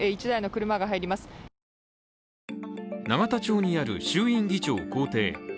永田町にある衆院議長公邸。